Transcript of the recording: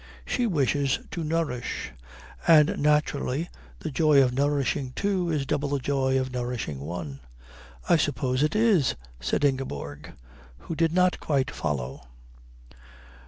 She wishes to nourish. And naturally the joy of nourishing two is double the joy of nourishing one." "I suppose it is," said Ingeborg, who did not quite follow.